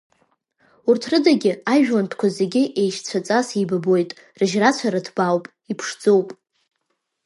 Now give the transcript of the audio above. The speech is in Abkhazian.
Урҭ рыдагьы аижәлантәқәа зегьы еишьцәаҵас иеибабоит, рыжьрацәара ҭбаауп, иԥшӡоуп.